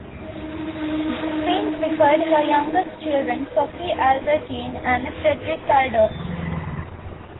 The Queen preferred her youngest children, Sophie Albertine and Frederick Adolf.